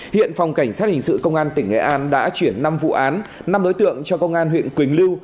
hiện phòng cảnh sát hình sự công an tỉnh nghệ an đã chuyển năm vụ án năm đối tượng cho công an huyện quỳnh lưu